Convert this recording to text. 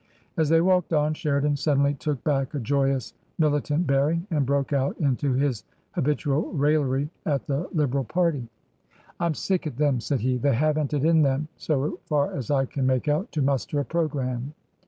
As they walked on Sheridan suddenly took back a joyous militant bearing and broke out into his habitual raillery at the Liberal party. " I'm sick at them," said he ;" they haven't it in them, so far as I can make out, to muster a Programme.